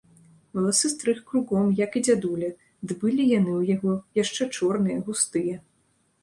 Валасы стрыг кругом, як і дзядуля, ды былі яны ў яго яшчэ чорныя, густыя.